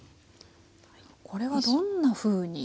これはどんなふうに？